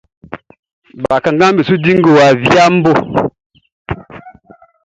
Bakannganʼm be su di ngowa viaʼn i bo.